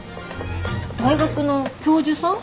大学の教授さん？